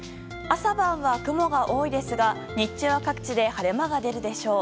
朝晩は雲が多いですが日中は各地で晴れ間が出るでしょう。